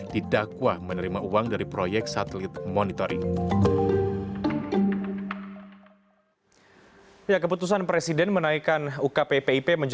di dakwah menerbitkan